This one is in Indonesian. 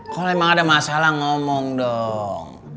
kalau memang ada masalah ngomong dong